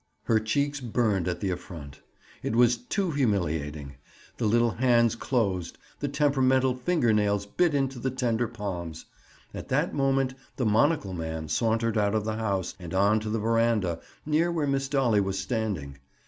Her cheeks burned at the affront. It was too humiliating. The little hands closed. The temperamental fingernails bit into the tender palms. At that moment the monocle man sauntered out of the house and on to the veranda, near where Miss Dolly was standing.